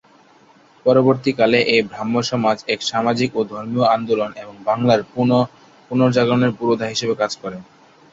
পরবর্তীকালে এই ব্রাহ্মসমাজ এক সামাজিক ও ধর্মীয় আন্দোলন এবং বাংলার পুনর্জাগরণের পুরোধা হিসাবে কাজ করে।